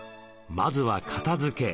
まずは片づけ。